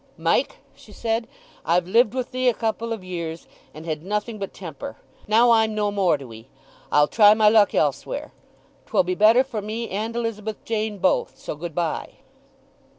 "Mike," she said, "I've lived with thee a couple of years, and had nothing but temper! Now I'm no more to 'ee; I'll try my luck elsewhere. 'Twill be better for me and Elizabeth Jane, both. So good bye!"